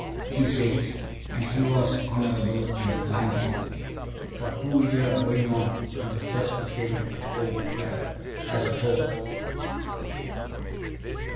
he says. And he was honourable and manful for two year going on, and we was just the same at home here as afore.